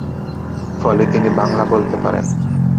ফলে তিনি বাংলা বলতে পারেন।